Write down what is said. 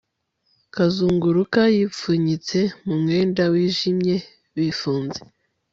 Kuzunguruka bipfunyitse mu mwenda wijimye bifunze